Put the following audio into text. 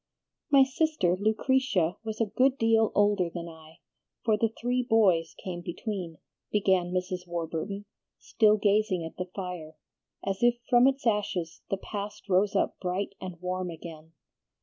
"My sister Lucretia was a good deal older than I, for the three boys came between," began Mrs. Warburton, still gazing at the fire, as if from its ashes the past rose up bright and warm again.